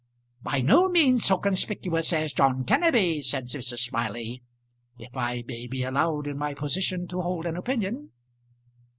"By no means so conspicuous as John Kenneby," said Mrs. Smiley, "if I may be allowed in my position to hold an opinion."